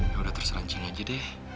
ya udah terus rancang aja deh